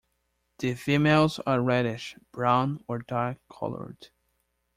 The females are reddish-brown or dark-colored.